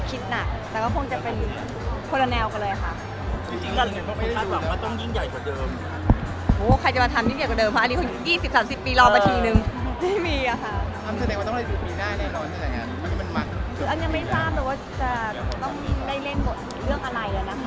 คุณแม่ของแม่ม่ายนก็มีส่วนสดินการช่วยดูในฉาก